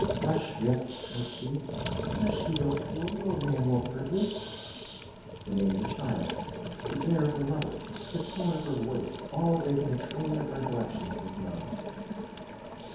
"Hush, Rip," cried she, "hush, you little fool; the old man won't hurt you." The name of the child, the air of the mother, the tone of her voice, all awakened a train of recollections in his mind.